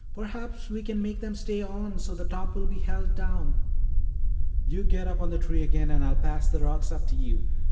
Perhaps we can make them stay on so the top will be held down." "You get up on the tree again and I'll pass the rocks up to you.